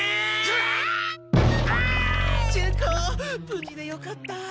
ぶじでよかった！